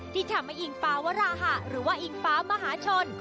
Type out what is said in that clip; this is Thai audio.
ที่ทำให้อิงฟ้าวราหะหรือว่าอิงฟ้ามหาชน